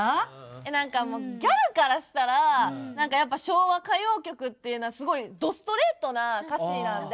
何かもうギャルからしたら何かやっぱ昭和歌謡曲っていうのはすごいどストレートな歌詞なんで。